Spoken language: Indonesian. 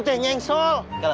itu tenyeng sol